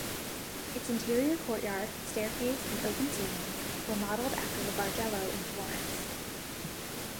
Its interior courtyard, staircase, and open ceiling were modeled after the Bargello in Florence.